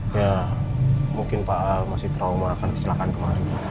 ya mungkin pak al masih trauma akan kecelakaan kemarin